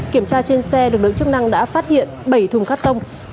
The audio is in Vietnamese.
kiểm tra trên xe lực lượng chức năng đã phát hiện bảy thùng cắt tông